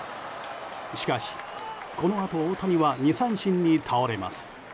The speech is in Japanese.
しかし、このあと大谷は２三振に倒れます。